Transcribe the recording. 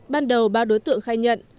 ban đầu ba đối tượng khai nhận